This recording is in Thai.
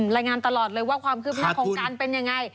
รายงานตลอดเลยว่าความคืบหน้าของการเป็นยังไง